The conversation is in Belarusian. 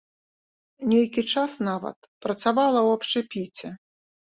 Нейкі час нават працавала ў абшчэпіце.